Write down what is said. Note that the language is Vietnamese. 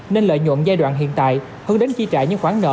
nên lợi nhuận giai đoạn hiện tại hơn đến chi trả những khoản nợ